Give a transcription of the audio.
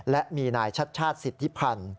และมีนายชัดชาติสิทธิพันธ์